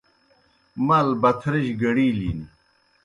مال بتھرِجیْ گڑِیلِن۔